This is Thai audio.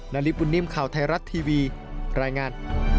นาริสบุญนิ่มข่าวไทยรัฐทีวีรายงาน